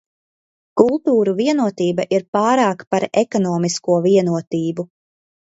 Kultūru vienotība ir pārāka par ekonomisko vienotību.